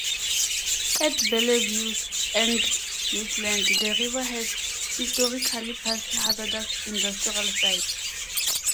At Bellevue and Midland the river has historically passed hazardous industrial sites.